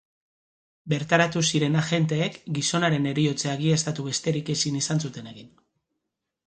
Bertaratu ziren agenteek gizonaren heriotza egiaztatu besterik ezin izan zuten egin.